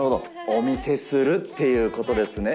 お見せするということですね。